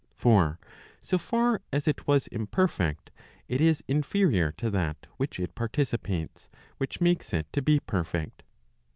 For so far as it was imperfect, it is inferior to that which it participates, which makes it to be perfect.